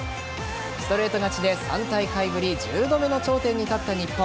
ストレート勝ちで、３大会ぶり１０度目の頂点に立った日本。